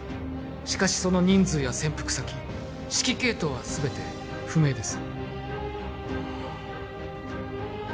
しかしその人数や潜伏先指揮系統は全て不明です